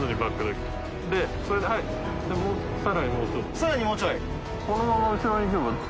さらにもうちょい。